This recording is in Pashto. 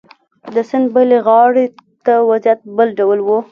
د سیند بلې غاړې ته وضعیت بل ډول و.